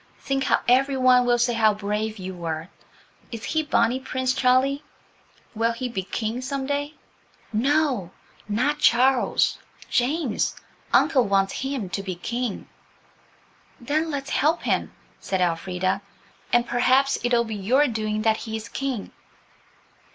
Think how every one will say how brave you were. Is he Bonnie Prince Charlie? Will he be King some day?" "No, not Charles–James; uncle wants him to be King." "Then let's help him," said Elfrida, "and perhaps it'll be your doing that he is King."